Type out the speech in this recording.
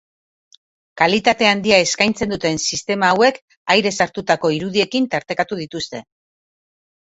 Kalitate handia eskaintzen duten sistema hauek airez hartutako irudiekin tartekatu dituzte.